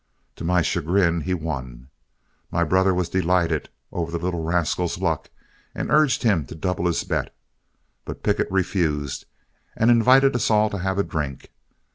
To my chagrin, he won. My brother was delighted over the little rascal's luck, and urged him to double his bet, but Pickett refused and invited us all to have a drink.